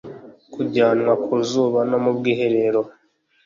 kujyanwa ku zuba no mu bwiherero